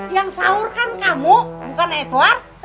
yang sahur kan kamu bukan edward